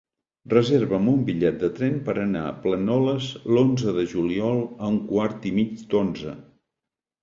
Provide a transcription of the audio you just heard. Reserva'm un bitllet de tren per anar a Planoles l'onze de juliol a un quart i mig d'onze.